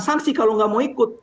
saksi kalau gak mau ikut